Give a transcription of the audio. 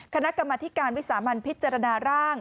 คณะกรรมธิการวิสามันพิจารณาร่าง